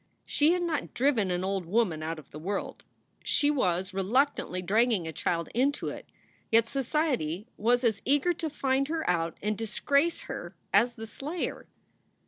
She had not driven an old woman out of the world, she was reluctantly dragging a child into it, yet society was as eager to find her out and disgrace her as the slayer.